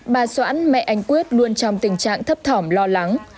bà doãn mẹ anh quyết luôn trong tình trạng thấp thỏm lo lắng